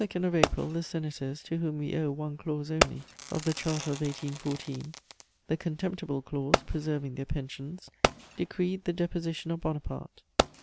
] On the 2nd of April, the Senators, to whom we owe one clause only of the Charter of 1814, the contemptible clause preserving their pensions, decreed the deposition of Bonaparte.